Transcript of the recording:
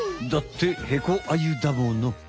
だってヘコアユだもの。